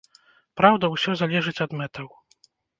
Праўда, усё залежыць ад мэтаў.